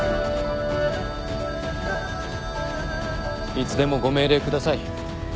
いつでもご命令ください。